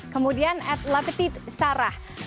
kemudian adlatit sarah